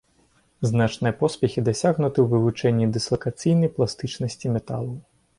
Значныя поспехі дасягнуты ў вывучэнні дыслакацыйнай пластычнасці металаў.